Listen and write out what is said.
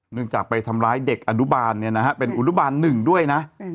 เนื่องจากไปทำร้ายเด็กอดุบาลเป็นอดุบาล๑ด้วยนะ